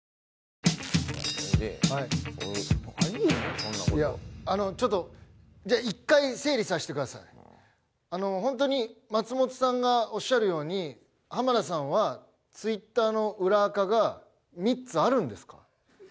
こんなことあのちょっとじゃあ一回整理さしてくださいあのホントに松本さんがおっしゃるように浜田さんはＴｗｉｔｔｅｒの裏アカが３つあるんですか？